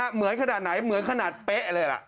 เหมือนขนาดไหนเหมือนขนาดเป๊ะเลยล่ะ